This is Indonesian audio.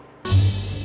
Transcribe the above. iya kagak mau sih